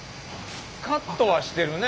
カットはしてるね。